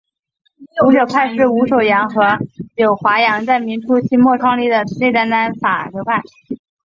伍柳派是伍守阳和柳华阳在明末清初创立的内丹丹法流派。